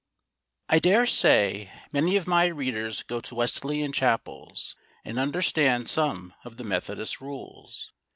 I DARE say many of my readers go to Wesleyan Chapels, and understand some of the Methodist rules.